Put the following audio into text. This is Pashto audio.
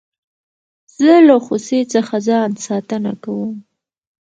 زه له غوسې څخه ځان ساتنه کوم.